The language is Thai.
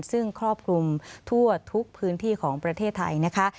ซึ่งครอบคลุมทั่วทุกพื้นที่ของประเทศไทยนะคะ